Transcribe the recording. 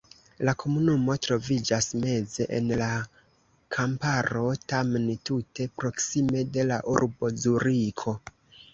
La komunumo troviĝas meze en la kamparo, tamen tute proksime de la urbo Zuriko.